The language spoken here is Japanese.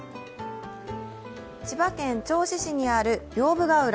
千葉県銚子市にある屏風ヶ浦。